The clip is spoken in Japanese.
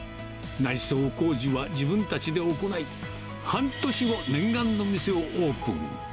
内装工事は自分たちで行い、半年後、念願の店をオープン。